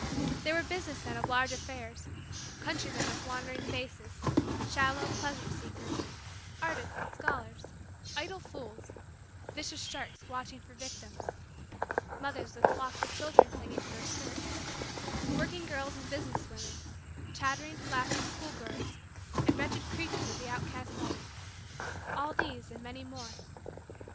There were business men of large affairs; countrymen with wondering faces; shallow, pleasure seekers; artists and scholars; idle fools; vicious sharks watching for victims; mothers with flocks of children clinging to their skirts; working girls and business women; chattering, laughing, schoolgirls; and wretched creatures of the outcast life all these and many more.